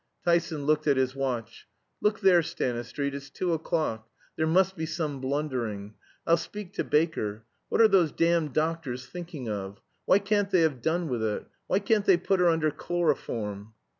Tyson looked at his watch. "Look there, Stanistreet, it's two o'clock there must be some blundering. I'll speak to Baker. What are those damned doctors thinking of! Why can't they have done with it? Why can't they put her under chloroform?"